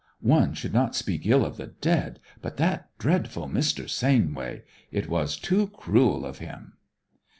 ... One should not speak ill of the dead, but that dreadful Mr. Sainway it was too cruel of him!'